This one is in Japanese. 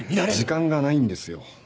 時間がないんですよ。